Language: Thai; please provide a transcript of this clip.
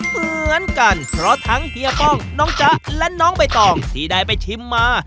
เหมือนกันเพราะทั้งเฮียป้องน้องจ๊ะและน้องใบตองที่ได้ไปชิมมา